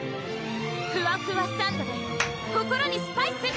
ふわふわサンドｄｅ心にスパイス！